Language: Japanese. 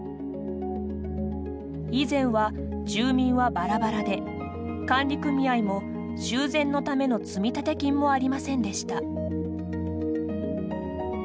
以前は、住民はばらばらで管理組合も修繕のための積立金もありませんでした。